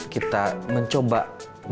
kita mencoba berpengalaman